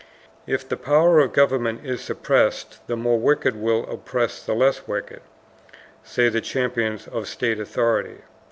"If the power of government is suppressed the more wicked will oppress the less wicked," say the champions of state authority.